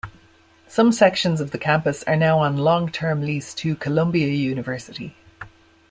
Some sections of the campus are now on long-term lease to Columbia University.